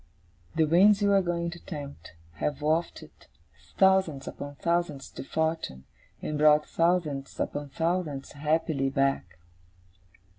The winds you are going to tempt, have wafted thousands upon thousands to fortune, and brought thousands upon thousands happily back.